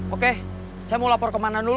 oke saya mau lapor kemana dulu